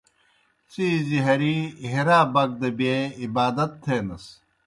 څِیزیْ ہرِی حرا بَک دہ بیے عبادت تِھینَس۔